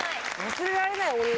忘れられない女？